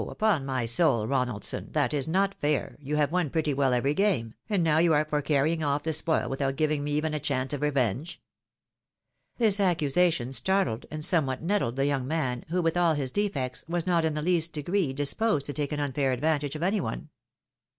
upon my soul, Ronaldson! That is not fair, you have won pretty well every game, and now you are for carrying off the spoU without giving me even a chance of revenge." This accusation startled, and somewhat nettled the young man, who, with all his defects, was not in the least degree dis posed to take an unfair advantage of any one.